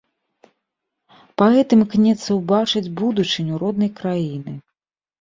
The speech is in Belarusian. Паэт імкнецца ўбачыць будучыню роднай краіны.